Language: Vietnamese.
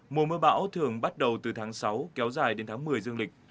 mùa mưa bão thường bắt đầu từ tháng sáu kéo dài đến tháng một mươi dương lịch